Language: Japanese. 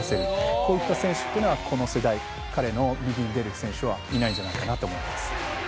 こういった選手っていうのはこの世代、彼の右に出る選手はいないんじゃないかなと思います。